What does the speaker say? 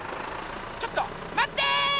ちょっとまって！